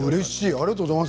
ありがとうございます。